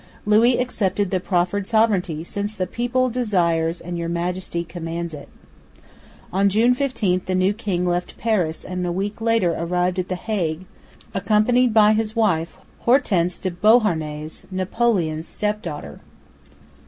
Louis accepted the proffered sovereignty "since the people desires and Your Majesty commands it." On June 15 the new king left Paris and a week later arrived at the Hague, accompanied by his wife, Hortense de Beauharnais, Napoleon's step daughter.